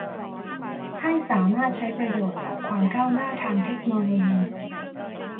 ให้สามารถใช้ประโยชน์จากความก้าวหน้าทางเทคโนโลยี